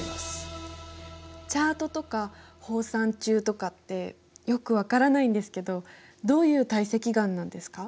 チャートとかホーサンチューとかってよく分からないんですけどどういう堆積岩なんですか？